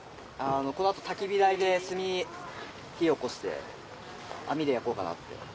あのこのあと焚き火台で火おこして網で焼こうかなって。